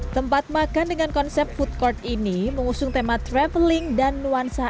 tempat makan dengan konsep food court ini mengusung tema traveling dan nuansa